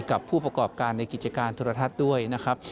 กับผู้ประกอบการในกิจการโทรทัศน์ด้วยนะครับ